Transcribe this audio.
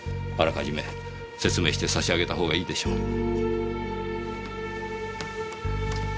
あらかじめ説明してさしあげたほうがいいでしょう。